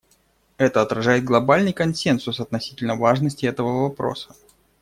Это отражает глобальный консенсус относительно важности этого вопроса.